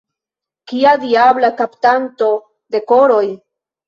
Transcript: Kia diabla kaptanto de koroj!